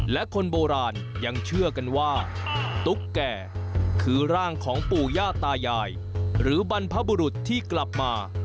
และคนโบราณยังเชื่อกันว่าตุ๊กแก่คือร่างของปู่ย่าตายายหรือบรรพบุรุษที่กลับมา